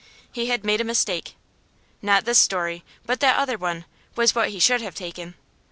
He had made a mistake. Not this story, but that other one, was what he should have taken.